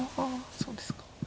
そうですか。